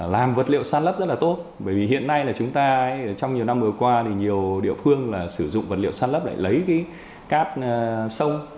làm vật liệu sàn lấp rất là tốt bởi vì hiện nay là chúng ta trong nhiều năm vừa qua thì nhiều địa phương là sử dụng vật liệu sàn lấp để lấy cái cát sông